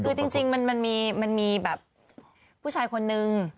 คือจริงจริงมันมันมีมันมีแบบผู้ชายคนนึง